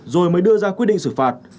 rồi mới đưa ra quy định xử phạt